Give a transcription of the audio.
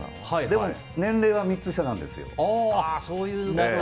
でも、年齢は３つ下なんです。